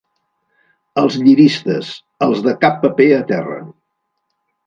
Els ‘lliristes’, els de cap paper a terra.